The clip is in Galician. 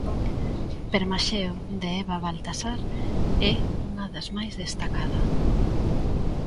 Permaxeo, de Eva Baltasar é unha das máis destacada.